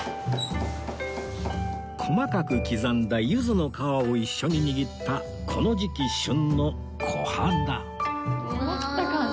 細かく刻んだ柚子の皮を一緒に握ったこの時期旬のコハダ